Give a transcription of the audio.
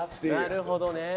なるほどね。